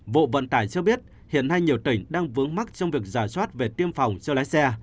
bộ vận tải cho biết hiện nay nhiều tỉnh đang vướng mắt trong việc giả soát về tiêm phòng cho lái xe